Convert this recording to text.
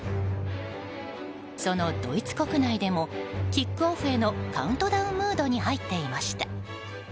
そのドイツ国内でもキックオフへのカウントダウンムードに入っていました。